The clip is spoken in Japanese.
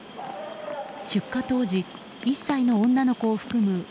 出火当時１歳の女の子を含む